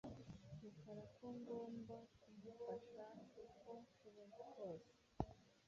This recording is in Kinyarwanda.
Rukara ko ngomba kumufasha uko nshoboye kose.